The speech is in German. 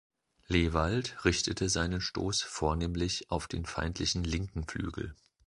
Lehwaldt richtete seinen Stoß vornehmlich auf den feindlichen linken Flügel.